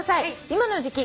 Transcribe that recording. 「今の時季